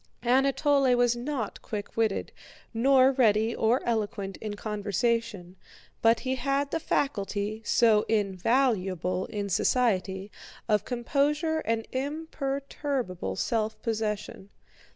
Anatole was not quick witted, nor ready or eloquent in conversation, but he had the faculty, so invaluable in society, of composure and imperturbable self possession.